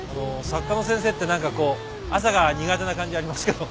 作家の先生って何かこう朝が苦手な感じありますけど。